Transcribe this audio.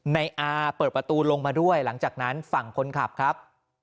ในอาเปิดประตูลงมาด้วยหลังจากนั้นฝั่งคนขับครับ